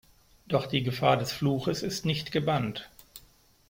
Doch die Gefahr des Fluches ist nicht gebannt.